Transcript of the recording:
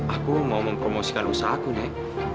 aku mau mempromosikan usaha aku nek